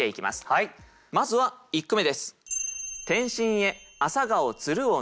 まずは１句目です。